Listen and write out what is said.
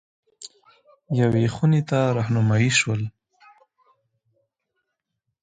یوې خونې ته رهنمايي شول.